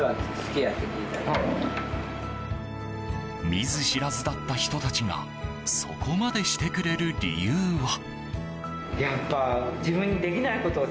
見ず知らずだった人たちがそこまでしてくれる理由は。